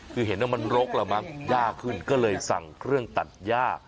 คือเห็นว่ามันรกแล้วมั้งยากขึ้นก็เลยสั่งเครื่องตัดย่า